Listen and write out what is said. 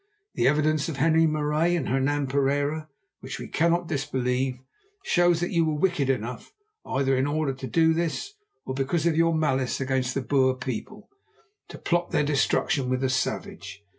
The evidence of Henri Marais and Hernan Pereira, which we cannot disbelieve, shows that you were wicked enough, either in order to do this, or because of your malice against the Boer people, to plot their destruction with a savage.